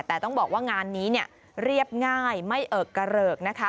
แต่ต้องบอกว่างานนี้เนี่ยเรียบง่ายไม่เอิกกระเริกนะคะ